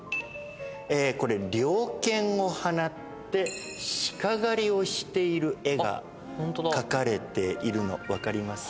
猟犬を放って鹿狩りをしている絵が描かれているの分かりますか？